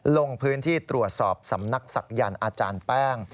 ลงพื้นที่ตรวจสอบสำนักศักยันต์อาจารย์แป้ง